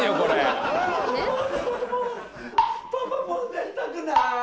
パパも寝たくない！